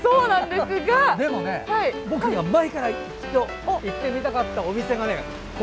でもね、僕が前から一度行ってみたかったお店がね